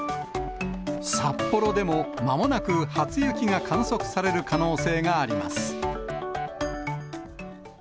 札幌でもまもなく初雪が観測される可能性があります。